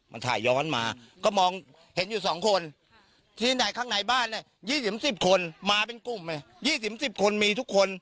มันถ่ายย้อนมาก็มองเห็นอยู่๒คนที่ไหนข้างในบ้านเนี่ย๒๐๑๐คนมาเป็นกลุ่มเลย๒๐๑๐คนมีทุกคน